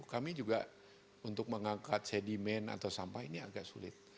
kami juga untuk mengangkat sedimen atau sampah ini agak sulit